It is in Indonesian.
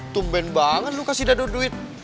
tumben banget lu kasih dado duit